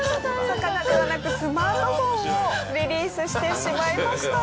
魚ではなくスマートフォンをリリースしてしまいました。